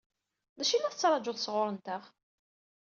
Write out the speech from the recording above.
D acu i la tettṛaǧuḍ sɣur-nteɣ?